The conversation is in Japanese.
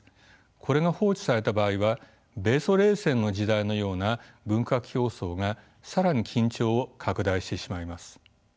これが放置された場合は米ソ冷戦の時代のような軍拡競争が更に緊張を拡大してしまいます。